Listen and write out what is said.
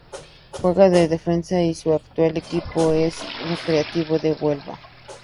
Juega de defensa y su actual equipo es el Recreativo de Huelva.